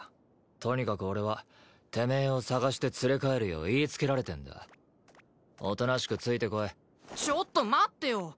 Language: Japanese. とにかく俺はてめえを捜して連れ帰るよう言いつけられてんだおとなしくついてこいちょっと待ってよ